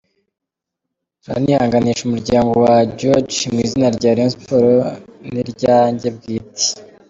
turanihanganisha umuryango wa George mu izina rya Rayon Sport ni ryanjye bwite,.